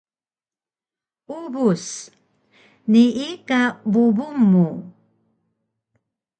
Ubus: Nii ka bubung mu